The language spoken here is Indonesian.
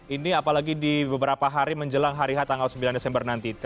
ini apalagi di beberapa hari menjelang hari h tanggal sembilan desember nanti